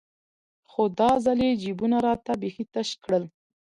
خو دا ځل يې جيبونه راته بيخي تش كړل.